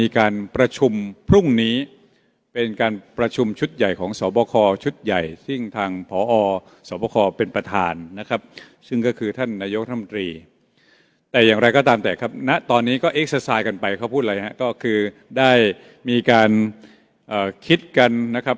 เขาพูดอะไรฮะก็คือได้มีการคิดกันนะครับ